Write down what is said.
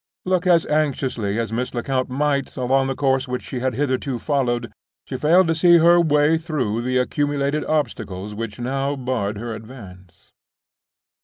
Look as anxiously as Mrs. Lecount might along the course which she had hitherto followed, she failed to see her way through the accumulated obstacles which now barred her advance.